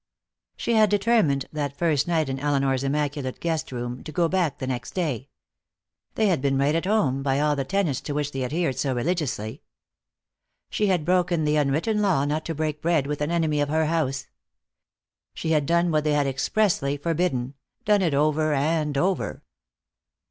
She had determined, that first night in Elinor's immaculate guest room, to go back the next day. They had been right at home, by all the tenets to which they adhered so religiously. She had broken the unwritten law not to break bread with an enemy of her house. She had done what they had expressly forbidden, done it over and over.